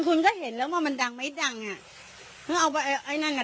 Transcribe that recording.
คุณก็เห็นแล้วว่ามันดังไม่ดังอ่ะเพิ่งเอาไปไอ้ไอ้นั่นอ่ะ